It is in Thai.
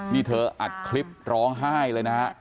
นี่เธออัดคลิปร้องไห้เลยนะฮะ